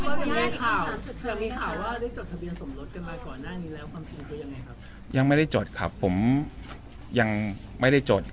ความสิ่งก็ยังไงครับยังไม่ได้จดครับผมยังไม่ได้จด